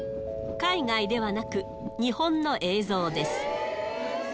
海外ではなく、日本の映像です。